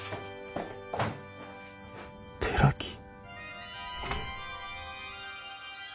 寺木？